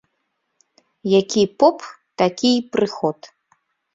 Які поп, такі й прыход